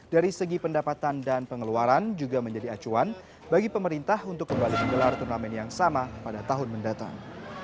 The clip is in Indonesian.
dari segi pendapatan dan pengeluaran juga menjadi acuan bagi pemerintah untuk kembali menggelar turnamen yang sama pada tahun mendatang